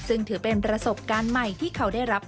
ซึ่งถือเป็นประสบการณ์ใหม่ที่เขาได้รับ